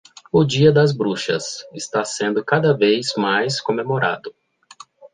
O dia das bruxas está sendo cada vez mais comemorado